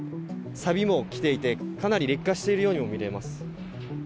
さびも来ていて、かなり劣化しているようにも見えます。